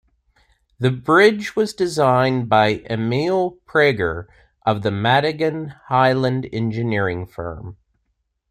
The bridge was designed by Emil Praeger of the Madigan-Hyland engineering firm.